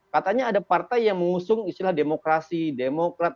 katanya ada partai yang mengusung istilah demokrasi demokrat